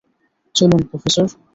চলুন, প্রফেসর!